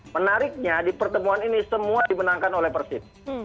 menariknya di pertemuan ini semua dimenangkan oleh persib